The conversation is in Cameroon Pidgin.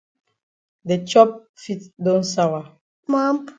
De chop fit don sawa.